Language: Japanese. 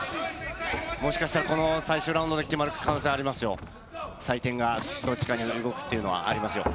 もしかしたらこの最終ラウンドで決まる可能性がありますよ、採点がどっちかに揺れ動くというのはありますよ。